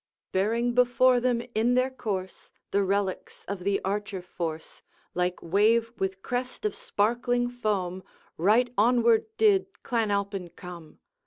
'Bearing before them in their course The relics of the archer force, Like wave with crest of sparkling foam, Right onward did Clan Alpine come.